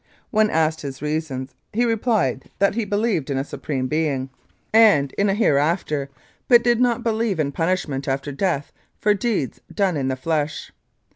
When asked his reasons, he replied that he believed in a Supreme Being and in 295 Mounted Police Life in Canada a hereafter, but did not believe in punishment after death for deeds done in the flesh.